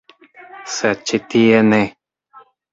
Sed ĉi tie ne.